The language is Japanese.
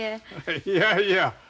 いやいや。